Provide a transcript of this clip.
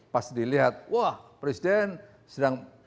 pas dilihat wah presiden sedang